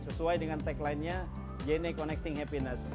sesuai dengan taglinenya jna connecting happiness